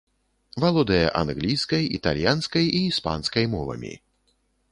Валодае англійскай, італьянскай і іспанскай мовамі.